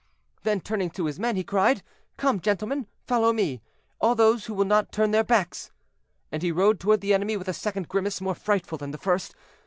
Then, turning to his men, he cried, 'Come, gentlemen, follow me—all those who will not turn their backs;' and he rode toward the enemy with a second grimace, more frightful than the first.